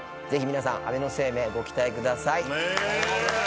ぜひ皆さん安倍晴明ご期待ください。